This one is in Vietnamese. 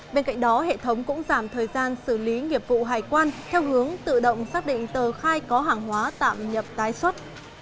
bên cạnh đó hệ thống cũng giảm thời gian xử lý nghiệp vụ hải quan theo hướng tự động xác định tờ khai có hàng hóa tạm nhập tái xuất